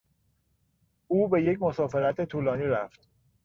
او به یک مسافرت طولانی رفت.